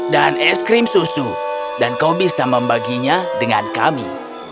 dan es krim susu dan kau bisa membaginya dengan kami